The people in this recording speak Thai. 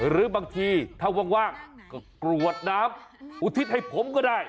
หรือบางทีถ้าว่างก็กรวดน้ำอุทิศให้ผมก็ได้